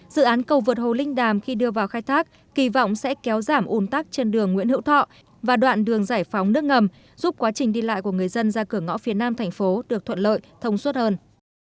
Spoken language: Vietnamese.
dự án cầu vượt hồ linh đàm khi đưa vào khai thác kỳ vọng sẽ kéo giảm un tắc trên đường nguyễn hữu thọ và đoạn đường giải phóng nước ngầm giúp quá trình đi lại của người dân ra cửa ngõ phía nam thành phố được thuận lợi thông suốt hơn